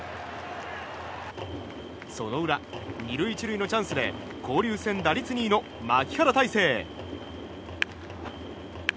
その裏、２塁１塁のチャンスで交流戦打率２位の牧原大成！